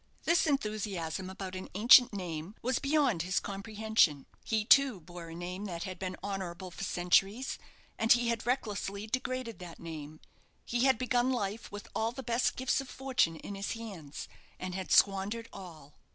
This enthusiasm about an ancient name was beyond his comprehension. He too, bore a name that had been honourable for centuries, and he had recklessly degraded that name. He had begun life with all the best gifts of fortune in his hands, and had squandered all.